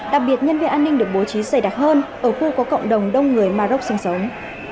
đặc biệt nhân viên an ninh được bố trí dày đặc hơn ở khu có cộng đồng đông người maroc sinh sống